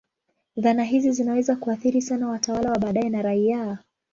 Dhana hizi zinaweza kuathiri sana watawala wa baadaye na raia.